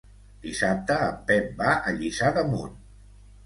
Dissabte en Pep va a Lliçà d'Amunt.